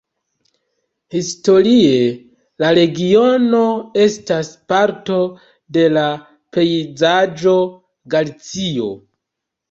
Historie la regiono estas parto de la pejzaĝo Galicio.